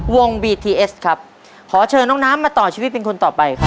บีทีเอสครับขอเชิญน้องน้ำมาต่อชีวิตเป็นคนต่อไปครับ